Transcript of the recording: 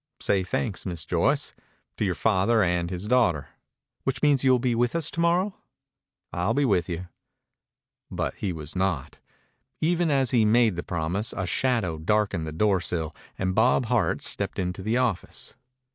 "I say thanks, Miss Joyce, to your father and his daughter." "Which means you'll be with us to morrow." "I'll be with you." But he was not. Even as he made the promise a shadow darkened the doorsill and Bob Hart stepped into the office.